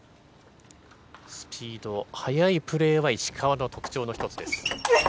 スピード、速いプレーは石川の特徴の一つです。